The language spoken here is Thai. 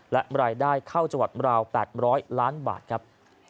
และรายได้เข้าจังหวัดราว๘๐๐ล้านบาทครับ